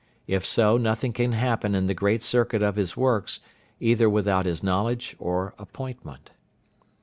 If so, nothing can happen in the great circuit of His works, either without His knowledge or appointment.